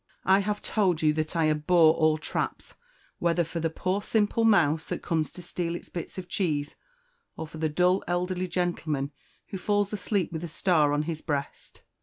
I have told you that I abhor all traps, whether for the poor simple mouse that comes to steal its bit of cheese, or for the dull elderly gentleman who falls asleep with a star on his breast."